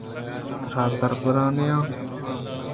ترا دربَرائیناں